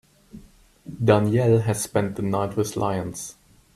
Danielle has spent the night with lions.